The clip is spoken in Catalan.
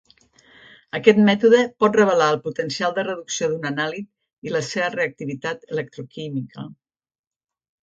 Aquest mètode pot revelar el potencial de reducció d'un anàlit i la seva reactivitat electroquímica.